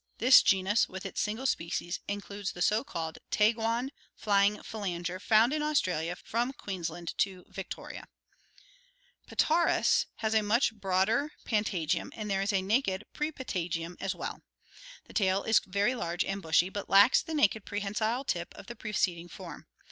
This genus, with its single species, includes the so called Taguan flying phalanger found in Australia from Queensland to Victoria. Petaurus (see Fig. SS) has a much broader patagium and there is a naked prepatagium as well. The tail is very large and bushy, but lacks the naked prehensile tip of the preceding form.